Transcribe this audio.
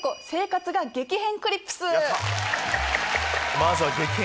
まずは激変